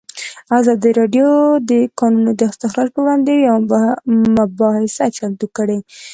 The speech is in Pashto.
ازادي راډیو د د کانونو استخراج پر وړاندې یوه مباحثه چمتو کړې.